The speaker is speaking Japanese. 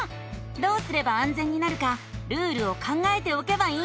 どうすればあんぜんになるかルールを考えておけばいいんだね。